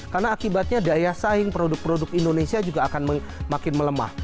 karena akibatnya daya saing produk produk indonesia juga akan makin melemah